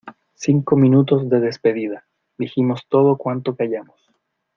Cinco minutos de despedida, dijimos todo cuanto callamos.